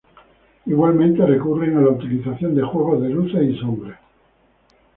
Igualmente recurren a la utilización de juegos de luces y sombras.